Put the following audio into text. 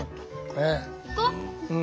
行こう。